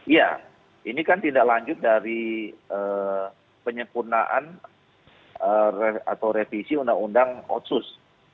ya ini kan tindak lanjut dari penyempurnaan atau revisi undang undang otsus